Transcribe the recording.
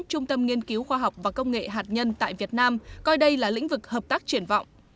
trung tâm nghiên cứu khoa học và công nghệ hạt nhân tại việt nam coi đây là lĩnh vực hợp tác triển vọng